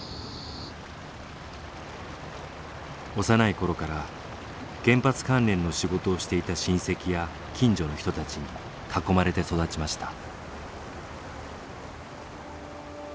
幼い頃から原発関連の仕事をしていた親戚や近所の人たちに囲まれて育ちました。